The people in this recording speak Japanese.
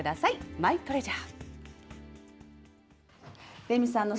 マイトレジャー。